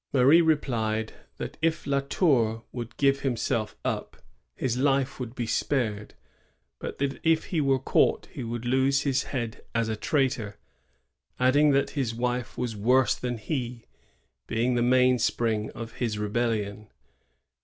Marie replied, that if La Tour would give himself up his life would be spared, but that if he were caught he would lose his head as a traitor; adding that his wife was worse than he, being the mainspring of his rebellion.